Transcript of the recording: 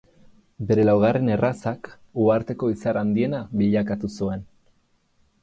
Bere laugarren errazak uharteko izar handiena bilakatu zuen.